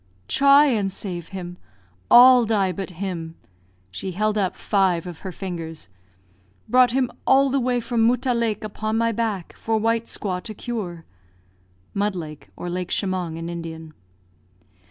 "Try and save him! All die but him." (She held up five of her fingers.) "Brought him all the way from Mutta Lake upon my back, for white squaw to cure." Mud Lake, or Lake Shemong, in Indian.